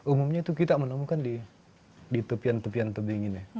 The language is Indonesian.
umumnya itu kita menemukan di tepian tepian tebing ini